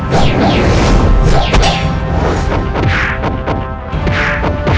adalah milik pencuri yang menyaturni gula